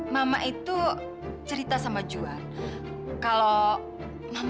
mama itu termasuk buku david ayam